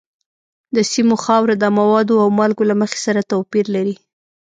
د سیمو خاوره د موادو او مالګو له مخې سره توپیر لري.